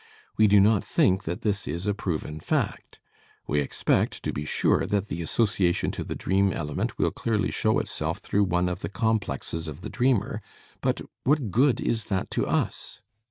We do not think that this is a proven fact. We expect, to be sure, that the association to the dream element will clearly show itself through one of the complexes of the dreamer, but what good is that to us?